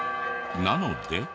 なので。